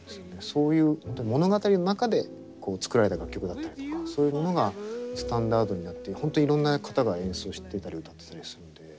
そういう本当に物語の中で作られた楽曲だったりとかそういうものがスタンダードになって本当いろんな方が演奏してたり歌ってたりするんで。